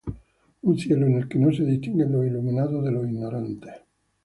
Un cielo en el que no se distinguen los iluminados de los ignorantes.